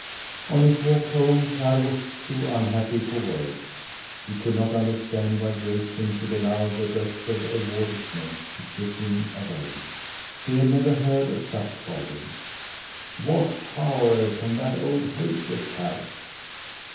On his walk home Karr was too unhappy for words! He could not understand why Grayskin should allow that wretch of a water snake to trick him away. He had never heard of such folly! "What power can that old Helpless have?"